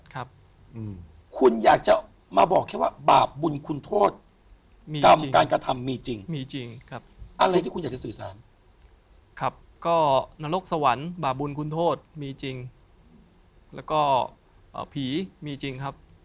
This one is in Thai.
คุณอยากจะมาบอกแค่ว่าบาปบุญขุนโทษกรรมการกระทำมีจริง